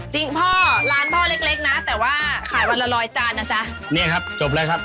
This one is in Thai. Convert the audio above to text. พ่อร้านพ่อเล็กเล็กนะแต่ว่าขายวันละร้อยจานนะจ๊ะเนี่ยครับจบแล้วครับ